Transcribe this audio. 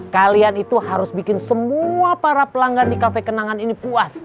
kalian itu harus bikin semua para pelanggan di kafe kenangan ini puas